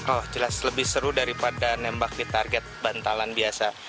oh jelas lebih seru daripada nembak di target bantalan biasa